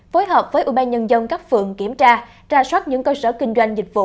phối hợp với ủy ban nhân dân các phượng kiểm tra ra soát những cơ sở kinh doanh dịch vụ